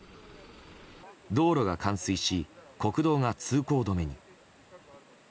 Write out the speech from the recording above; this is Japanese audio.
道路が冠水し国道が通行止めに。